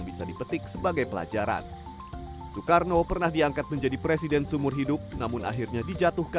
dan dianalisis sumbernya itu adalah masalah politik